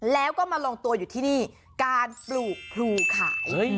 แล้วก็มาลงตัวอยู่ที่นี่การปลูกพลูขาย